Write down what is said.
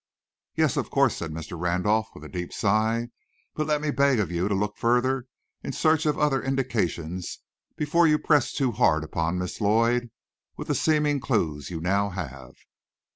"Yes, of course," said Mr. Randolph, with a deep sigh. "But let me beg of you to look further in search of other indications before you press too hard upon Miss Lloyd with the seeming clues you now have."